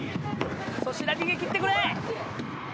粗品逃げ切ってくれ！